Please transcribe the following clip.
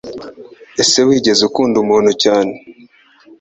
ese wigeze ukundu umuntu cyane